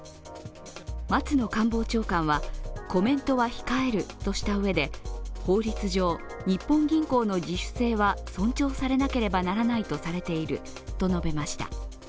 松野官房長官は、コメントは控えるとしたうえで法律上、日本銀行の自主性は尊重されなければならないとされていると述べました。